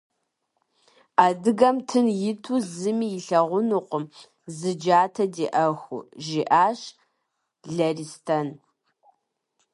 - Адыгэм тын иту зыми илъагъунукъым зы джатэ диӏэху, - жиӏащ Лэристэн.